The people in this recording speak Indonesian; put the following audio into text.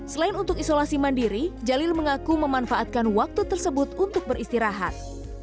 selain untuk isolasi mandiri jalil mengaku memanfaatkan waktu tersebut untuk beristirahat